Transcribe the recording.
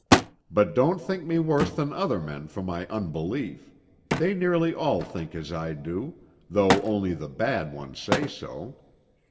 But don't think me worse than other men for my unbelief; they nearly all think as I do, though only the bad ones say so.